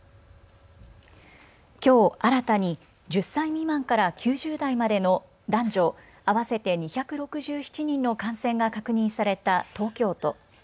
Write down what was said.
きょう新たに１０歳未満から９０代までの男女合わせて２６７人の感染が確認された東京都。